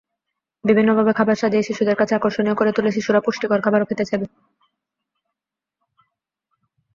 বিভিন্নভাবে খাবার সাজিয়ে শিশুদের কাছে আকর্ষণীয় করে তুললে শিশুরা পুষ্টিকর খাবারও খেতে চাইবে।